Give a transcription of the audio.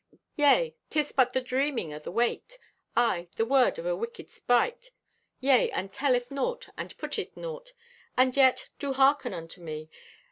Yea, 'tis but the dreaming o' the waked! Aye, the word o' a wicked sprite! Yea, and telleth naught and putteth naught! "And yet, do harken unto me.